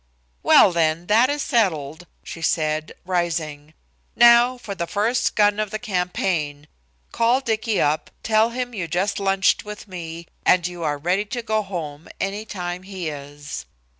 "Well, then, that is settled," she said, rising. "Now, for the first gun of the campaign. Call Dicky up, tell him you just lunched with me, and you are ready to go home any time he is."